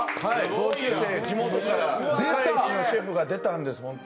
同級生、地元から世界一のシェフが出たんです。